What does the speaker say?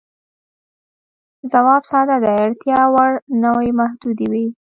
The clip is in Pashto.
ځواب ساده دی، اړتیا وړ نوعې محدودې وې.